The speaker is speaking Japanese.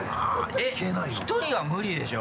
えっ１人は無理でしょ？